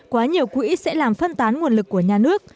quá nhiều quỹ sẽ làm phân tán nguồn lực của nhà nước